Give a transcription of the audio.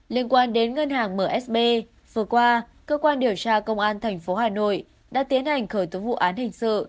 liên quan đến ngân hàng msb vừa qua cơ quan điều tra công an tp hà nội đã tiến hành khởi tố vụ án hình sự